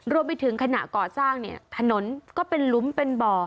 รวมไปถึงขณะก่อสร้างเนี่ยถนนก็เป็นหลุมเป็นบ่อ